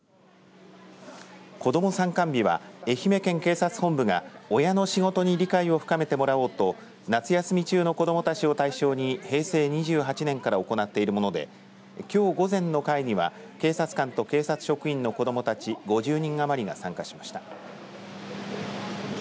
子ども参観日は愛媛県警察本部が親の仕事に理解を深めてもらおうと夏休み中の子どもたちを対象に平成２８年から行っているものできょう午前の回には警察官と警察職員の子どもたち５０人余りが参加しました。